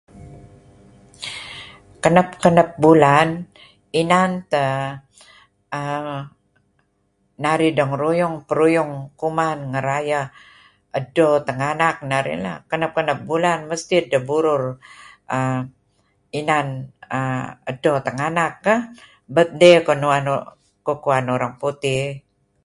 Kenep-kenep bulan inan teh aah... narih dengeruyung peruyung kuman ngerayeh edto tenganak narih lah. kene-kenep bulan mesti edteh burur aah inan aah edto tinganak keh? Betday kenuan, kukuan orang Putih.